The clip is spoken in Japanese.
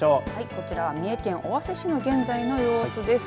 こちらは三重県尾鷲市の現在の様子です。